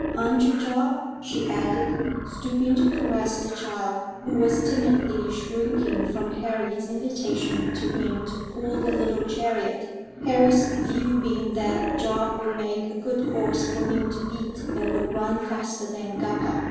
"Aren't you, Job?" she added, stooping to caress the child, who was timidly shrinking from Harry's invitation to him to pull the little chariot Harry's view being that Job would make a good horse for him to beat, and would run faster than Gappa.